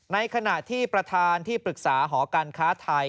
ในขณะที่ประธานที่ปรึกษาหอการค้าไทย